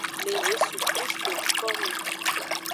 Le yesu krist ngkome.